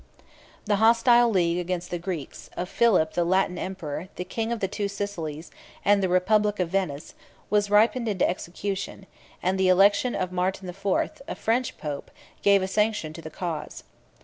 The hostile league against the Greeks, of Philip the Latin emperor, the king of the Two Sicilies, and the republic of Venice, was ripened into execution; and the election of Martin the Fourth, a French pope, gave a sanction to the cause.